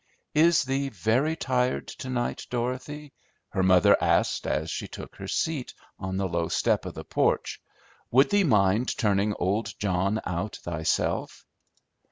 "Is thee very tired to night, Dorothy?" her mother asked, as she took her seat on the low step of the porch. "Would thee mind turning old John out thyself?"